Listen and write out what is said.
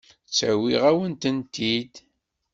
Ttawiɣ-awen-tent-id.